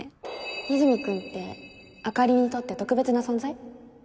和泉君ってあかりにとって特別な存在？